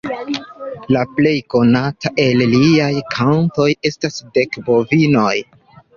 La plej konata el liaj kantoj estas Dek bovinoj.